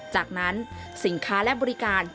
จากนั้นสินค้าและบริการ